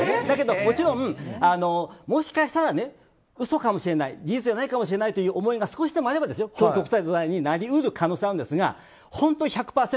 もちろん、もしかしたら嘘かもしれない事実じゃないかもしれないという思いが少しでもあれば虚偽告訴罪になり得る可能性はあるんですが本当に１００％